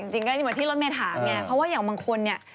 จริงก็เหมือนที่รถเมย์ถามไงเพราะว่าอย่างบางคนเนี่ย